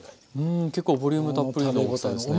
ん結構ボリュームたっぷりの大きさですね。